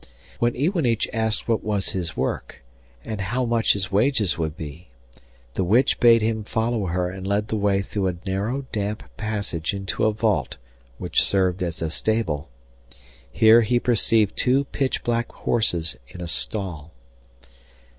When Iwanich asked what his work, and how much his wages would be, the witch bade him follow her, and led the way through a narrow damp passage into a vault, which served as a stable. Here he perceived two pitch black horses in a stall.